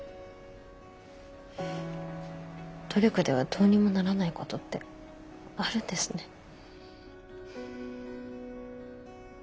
努力ではどうにもならないことってあるんですね。